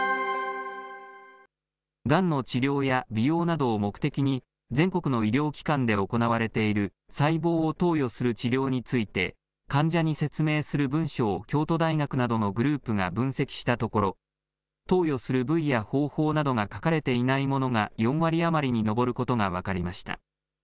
がんの治療や美容などを目的に全国の医療機関で行われている細胞を投与する治療について、患者に説明する文書を京都大学などのグループが分析したところ、投与する部位や方法などが書かれていないものが４割余りに上ることが分かりました。